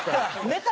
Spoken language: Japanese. ネタ